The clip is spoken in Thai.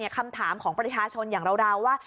คำถามของประชาชนอย่างเราว่า